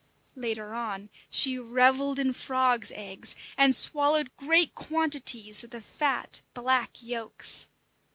Later on she revelled in frogs' eggs, and swallowed great quantities of the fat, black yolks.